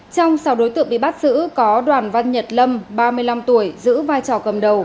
trong sáu đối tượng bị bắt giữ có đoàn văn nhật lâm ba mươi năm tuổi giữ vai trò cầm đầu